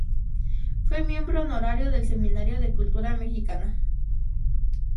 Fue miembro honorario del Seminario de Cultura Mexicana.